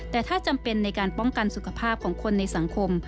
แต่ถ้าจำเป็นในการป้องกันสุขภาพของคนในสังคม